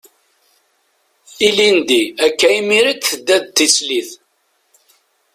Ilindi, akka imir-a i d-tedda d tislit.